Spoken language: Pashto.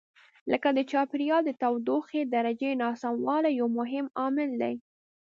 لکه د چاپېریال د تودوخې درجې ناسموالی یو مهم عامل دی.